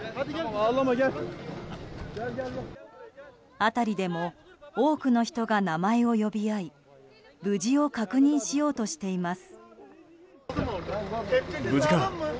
辺りでも多くの人が名前を呼び合い無事を確認しようとしています。